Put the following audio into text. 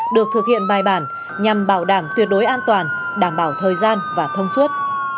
được thực hiện bài bản nhằm bảo đảm tuyệt đối an toàn đảm bảo thời gian và thông suốt